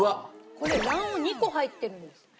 これ卵黄２個入ってるんですか？